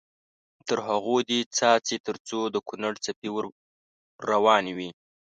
تر هغو دې څاڅي تر څو د کونړ څپې ور روانې وي.